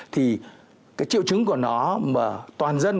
thì cái triệu chứng của nó mà toàn dân